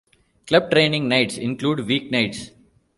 Club training nights include week nights.